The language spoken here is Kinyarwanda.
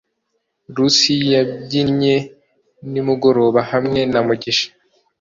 Rusi yabyinnye nimugoroba hamwe na Mugisha